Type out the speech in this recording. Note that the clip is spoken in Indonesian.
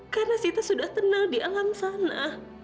karena sita sudah tenang di alam sana